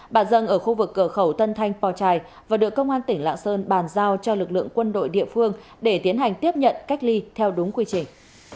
bà dân ở khu vực cửa khẩu tân thanh po chai và được công an tỉnh lạng sơn bàn giao cho lực lượng quân đội địa phương để tiến hành tiếp nhận cách ly theo đúng quy trình